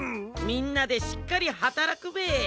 みんなでしっかりはたらくべえ。